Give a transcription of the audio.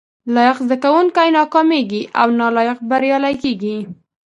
لایق زده کوونکي ناکامیږي او نالایق بریالي کیږي